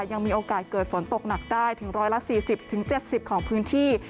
ยังมีโอกาสเกิดฝนตกหนักได้ถึง๑๔๐๗๐ของพื้นที่